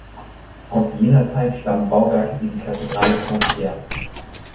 Aus jener Zeit stammen Bauwerke wie die Kathedrale Saint-Pierre.